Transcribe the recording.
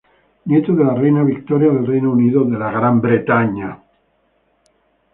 Nieto de la reina Victoria del Reino Unido.